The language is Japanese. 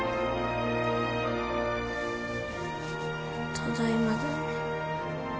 ただいまだね。